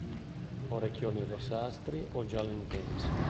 Orecchioni rossastri o giallo intenso.